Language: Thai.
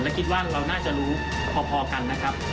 และคิดว่าเราน่าจะรู้พอกันนะครับ